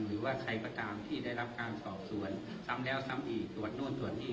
หรือว่าใครก็ตามที่ได้รับการสอบสวนซ้ำแล้วซ้ำอีกตรวจนู่นตรวจนี่